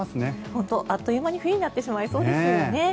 本当、あっという間に冬になってしまいそうですよね。